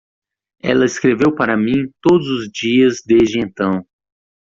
Ela escreveu para mim todos os dias desde então.